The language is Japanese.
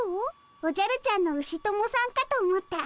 おじゃるちゃんのウシ友さんかと思った。